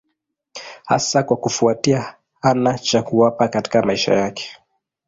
Hasa kwa kufuatia hana cha kuwapa katika maisha yake.